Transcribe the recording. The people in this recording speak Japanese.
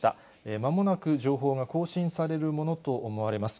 まもなく情報が更新されるものと思われます。